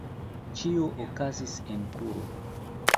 Ĉio okazis en kuro.